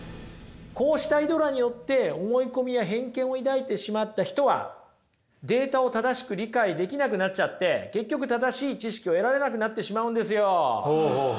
こうしたイドラによって思い込みや偏見を抱いてしまった人はデータを正しく理解できなくなっちゃって結局正しい知識を得られなくなってしまうんですよ。